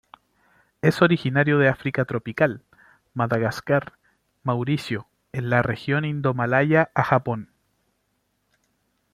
Es originario de África tropical, Madagascar, Mauricio, en la región Indomalaya a Japón.